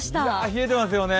冷えてますよね